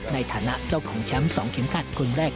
ในฐานะเจ้าของแชมป์๒เข็มขัดคนแรก